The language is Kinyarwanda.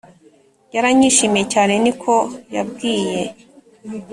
Yaranyishimiye cyane niko yabwiye